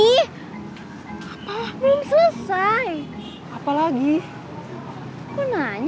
eh ntar dulu gue belum selesai ngomong